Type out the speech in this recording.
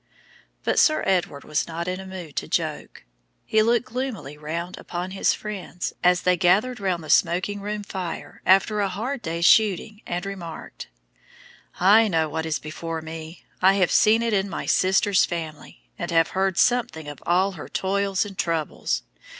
But Sir Edward was not in a mood to joke. He looked gloomily around upon his friends as they gathered around the smoking room fire after a hard day's shooting, and remarked "I know what is before me. I have seen it in my sister's family, and have heard something of all her toils and troubles.